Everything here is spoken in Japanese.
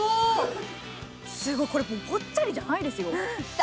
これぽっちゃりじゃないですよ。